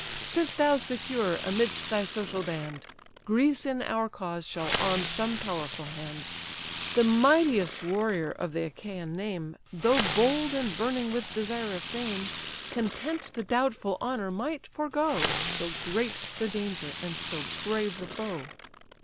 Sit thou secure, amidst thy social band; Greece in our cause shall arm some powerful hand. The mightiest warrior of the Achaian name, Though bold and burning with desire of fame, Content the doubtful honour might forego, So great the danger, and so brave the foe."